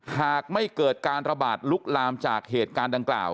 หากไม่เกิดการระบาดลุกลามจากเหตุการณ์ดังกล่าว